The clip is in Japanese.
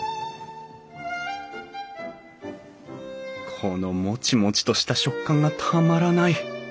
このもちもちとした食感がたまらない！